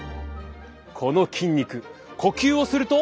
この筋肉呼吸をすると。